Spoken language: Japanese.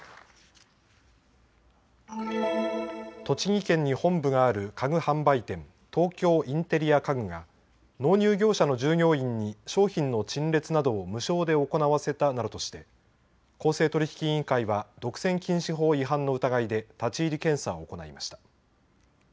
栃木県に本部がある家具販売店、東京インテリア家具が納入業者の従業員に商品の陳列などを無償で行わせたなどとして、公正取引委員会は独占禁止法違反の疑いで立ち入り検査を行いました。